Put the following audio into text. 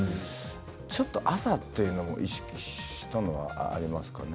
ちょっと朝というのを意識したのは、ありますかね。